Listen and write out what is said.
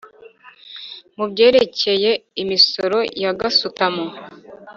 mu byerekeye imisoro na gasutamo